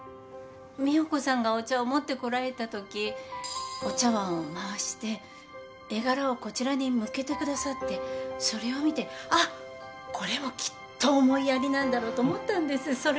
美保子さんがお茶を持ってこられたときお茶わんを回して絵柄をこちらに向けてくださってそれを見てあっこれもきっと思いやりなんだろうと思ったんですそれで。